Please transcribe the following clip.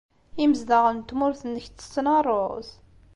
Imezdaɣen n tmurt-nnek ttetten ṛṛuz?